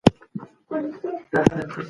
سوارلۍ تل په بیړه کې وي.